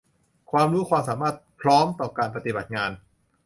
ความรู้ความสามารถพร้อมต่อการปฏิบัติงาน